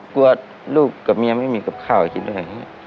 กลัวลูกกับเมียไม่มีกับข้าวให้กินด้วย